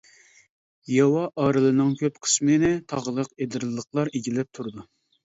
ياۋا ئارىلىنىڭ كۆپ قىسمىنى تاغلىق، ئېدىرلىقلار ئىگىلەپ تۇرىدۇ.